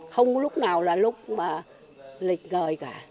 không có lúc nào là lúc mà lịch ngời cả